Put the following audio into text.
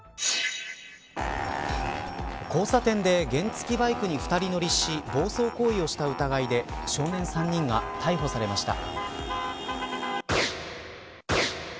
交差点で原付バイクに２人乗りし暴走行為をした疑いで少年３人が逮捕されました。